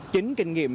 chính kinh nghiệm